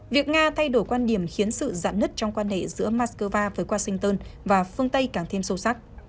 việc nga thay đổi quan điểm khiến sự dạn nứt trong quan hệ giữa moscow với washington và phương tây càng thêm sâu sắc